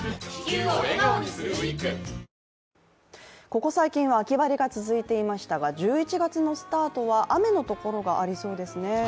ここ最近は秋晴れが続いていましたが１１月のスタートは雨の所がありそうですね。